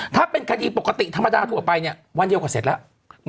ถ้าเป็นคดีปกติธรรมดาทั่วไปเนี่ยวันเดียวก็เสร็จแล้ว